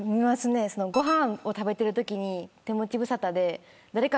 ご飯を食べているときに手持ち無沙汰で。